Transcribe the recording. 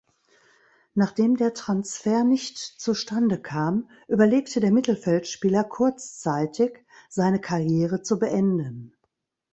Nachdem der Transfer nicht zustande kam, überlegte der Mittelfeldspieler kurzzeitig, seine Karriere zu beenden.